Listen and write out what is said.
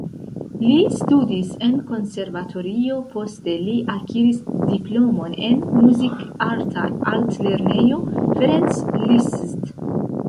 Li studis en konservatorio, poste li akiris diplomon en Muzikarta Altlernejo Ferenc Liszt.